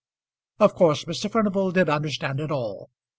Of course Mr. Furnival did understand it all.